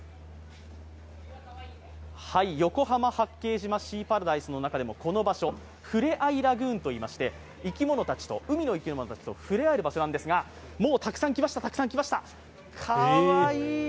横浜・八景島シーパラダイスの中でもこの場所、ふれあいラグーンといいまして海の生き物たちとふれあえる場所なんですが、もうたくさん来ました、かわいい。